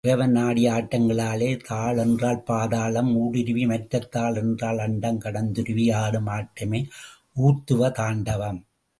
இறைவன் ஆடிய ஆட்டங்களாலே தாளொன்றால் பாதாளம் ஊடுருலி, மற்றைத் தாளொன்றால் அண்டம் கடந்துருவி ஆடும் ஆட்டமே ஊர்த்துவ தாண்டவம்.